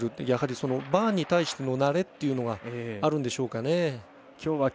やはり、そのバーンに対しての慣れっていうのがあるんでしょう。